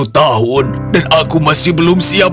dua puluh satu tahun dan aku masih belum siap